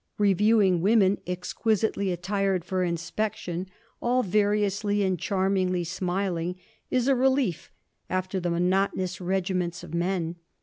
Reviewing women exquisitely attired for inspection, all variously and charmingly smiling, is a relief after the monotonous regiments of men.